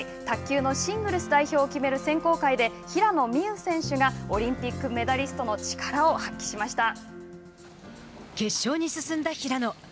卓球のシングルス代表を決める選考会で平野美宇選手がオリンピックメダリストの決勝に進んだ平野。